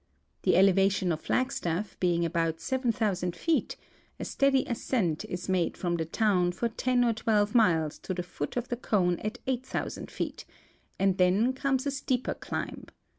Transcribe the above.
The elevation of Flagstaff being about 7,000 feet, a steady ascent is made from the town for ten or twelve miles to the foot of the cone at 8,000 feet, and then comes a steeper climb.